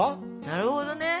なるほど？